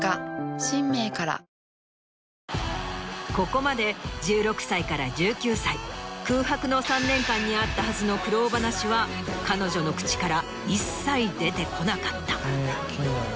ここまで１６歳から１９歳空白の３年間にあったはずの苦労話は彼女の口から一切出てこなかった。